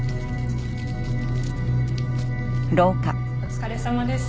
お疲れさまです。